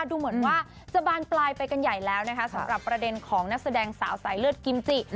ดูเหมือนว่าจะบานปลายไปกันใหญ่แล้วนะคะสำหรับประเด็นของนักแสดงสาวสายเลือดกิมจิ